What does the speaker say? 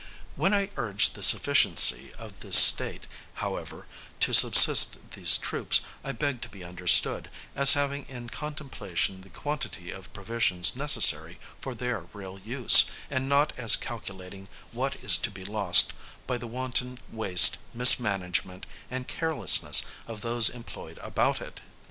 When I urge the sufficiency of this State, however, to subsist these troops, I beg to be understood, as having in contemplation the quantity of provisions necessary for their real use, and not as calculating what is to be lost by the wanton waste, mismanagement, and carelessness of those employed about it.